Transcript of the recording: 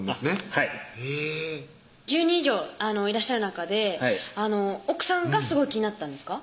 はいへぇ１０人以上いらっしゃる中で奥さんがすごい気になったんですか？